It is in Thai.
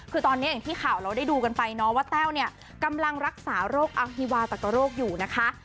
คือตอนนี้อย่างที่ข่าวเราได้ดูกันไปเนาะว่าแต้วเนี่ยกำลังรักษาโรคอัฮิวาตักกะโรคอยู่นะคะ